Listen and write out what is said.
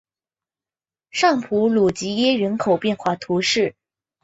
尚普鲁吉耶人口变化图示